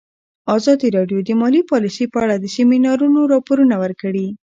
ازادي راډیو د مالي پالیسي په اړه د سیمینارونو راپورونه ورکړي.